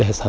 có ý kiến